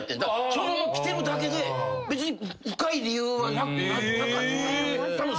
そのままきてるだけで別に深い理由はなかった。